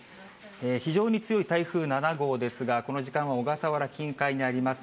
非常に強い台風７号ですが、この時間は小笠原近海にあります。